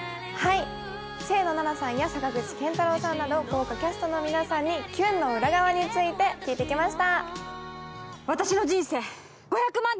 清野菜名さんや坂口健太郎さんなど豪華キャストの皆さんに、キュンの裏側について聞いてきました。